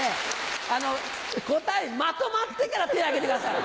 あの答えまとまってから手挙げてください。